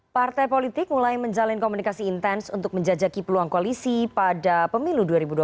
partai politik mulai menjalin komunikasi intens untuk menjajaki peluang koalisi pada pemilu dua ribu dua puluh